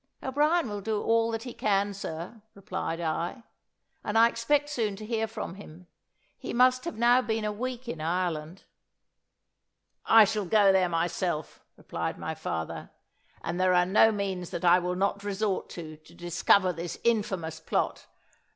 "O'Brien will do all that he can, sir," replied I; "and I expect soon to hear from him. He must have now been a week in Ireland." "I shall go there myself," replied my father: "and there are no means that I will not resort to, to discover this infamous plot.